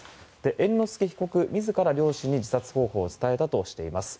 猿之助被告自ら両親に自殺方法を伝えたとしています。